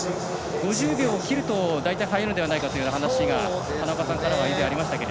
５０秒を切ると大体、速いのではないかという話が花岡さんからはありましたが。